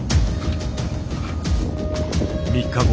３日後